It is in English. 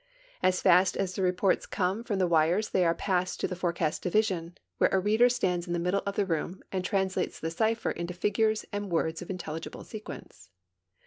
As fast as the reports come from the wires they are passed to the Forecast Division, where a reader stands in the middle of the room and translates the cipher into figures and words of intelligible sequence.